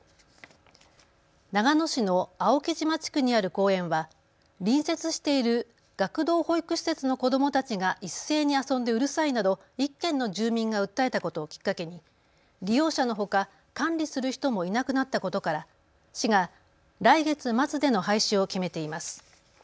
長野市の青木島地区にある公園は隣接している学童保育施設の子どもたちが一斉に遊んでうるさいなど１軒の住民が訴えたことをきっかけに利用者のほか管理する人もいなくなったことから市が来月末での廃止を決めています。